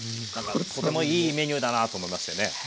これもいいメニューだなと思いましてね